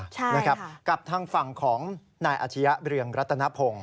ใช่นะครับกับทางฝั่งของนายอาชียะเรืองรัตนพงศ์